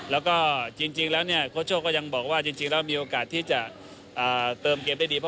แล้วก็จริงแล้วเนี่ยโค้ชโชคก็ยังบอกว่าจริงแล้วมีโอกาสที่จะเติมเกมได้ดี